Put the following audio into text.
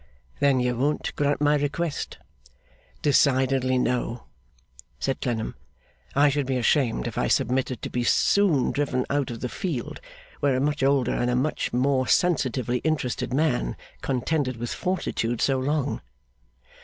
'Then you won't grant my request?' 'Decidedly, No,' said Clennam. 'I should be ashamed if I submitted to be so soon driven out of the field, where a much older and a much more sensitively interested man contended with fortitude so long.